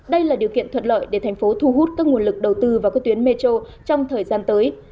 đây là điều kiện thuận lợi để thành phố thu hút các nguồn lực đầu tư vào các tuyến metro trong thời gian tới